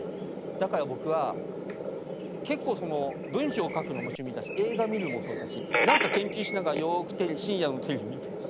だから僕は結構文章書くのも趣味だし映画見るのもそうだし何か研究しながらよくテレビ深夜のテレビ見てます。